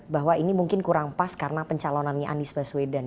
bahwa ini mungkin kurang pas karena pencalonannya anies baswedan